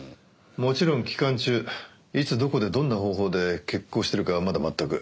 もちろん期間中いつどこでどんな方法で決行するかはまだ全く。